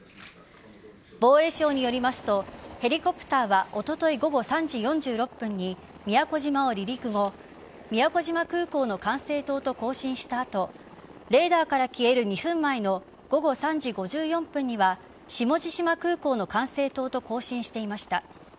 防衛省によりますとヘリコプターはおととい午後３時４６分に宮古島を離陸後宮古島空港の管制塔と交信した後レーダーから消える２分前の午後３時５４分には下地島空港の管制塔と交信していました。